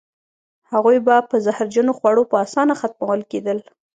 هغوی به په زهرجنو خوړو په اسانه ختمول کېدل.